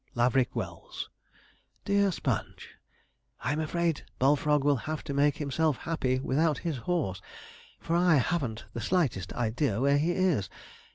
'LAVERICK WELLS. 'DEAR SPONGE, 'I'm afraid Bullfrog will have to make himself happy without his horse, for I hav'n't the slightest idea where he is.